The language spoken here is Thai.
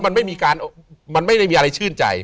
เพราะมันไม่ได้มีอะไรชื่นใจ